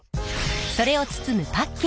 それを包むパッケージ